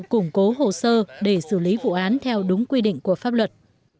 củng cố hồ sơ để xử lý vụ án theo đúng quy định của pháp luật